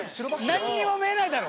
何にも見えないだろ！